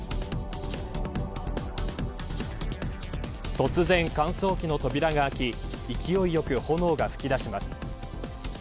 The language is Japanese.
突然乾燥機の扉が開き勢いよく炎が吹き出します。